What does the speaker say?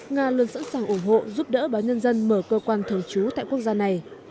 nga luôn sẵn sàng ủng hộ giúp đỡ báo nhân dân mở cơ quan thường trú tại quốc gia này